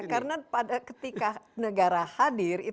karena ketika negara hadir